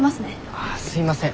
あすいません。